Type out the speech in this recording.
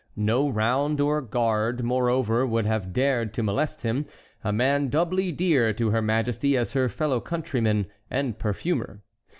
No round or guard, moreover, would have dared to molest him, a man doubly dear to her majesty as her fellow countryman and perfumer.